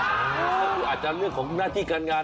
อาจจะเลือกของหน้าที่การงาน